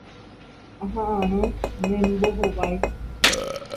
Aha'ãrõ ne mbohovái.